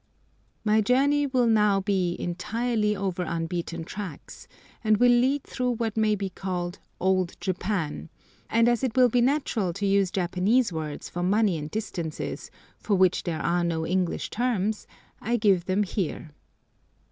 My journey will now be entirely over "unbeaten tracks," and will lead through what may be called "Old Japan;" and as it will be natural to use Japanese words for money and distances, for which there are no English terms, I give them here.